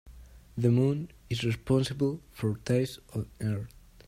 The moon is responsible for tides on earth.